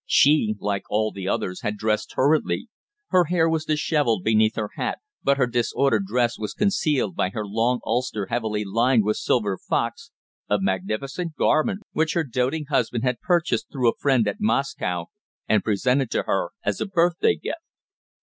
She, like all the others, had dressed hurriedly. Her hair was dishevelled beneath her hat, but her disordered dress was concealed by her long ulster heavily lined with silver fox, a magnificent garment which her doting husband had purchased through a friend at Moscow, and presented to her as a birthday gift.